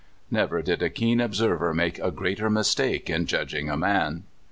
Never did a keen observer make a greater mistake in judging a man.